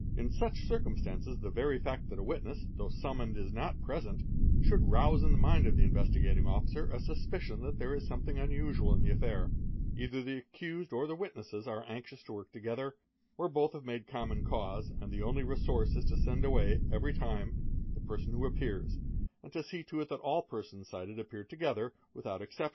In such cir | cumstances the very fact that a witness though summoned is not present, 4 nould rouse in the mind of the Investigating Officer a suspicion that ' there is something unusual in the affair; either the accused or the wit on esses are anxious to work together, or both have made common cause, 'en nd the only resource is to send away, every time, the person who appears, ie nd see to it that all the persons cited appear together, without excep